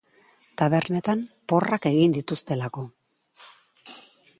Tabernetan porrak egin dituztelako.